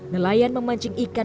nelayan memancing ikan